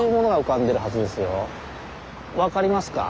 分かりますか？